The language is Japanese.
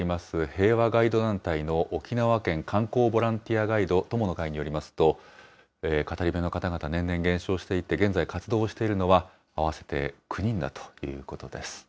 平和ガイド団体の沖縄県観光ボランティアガイド友の会によりますと、語り部の方々、年々減少していて、現在、活動をしているのは合わせて９人だということです。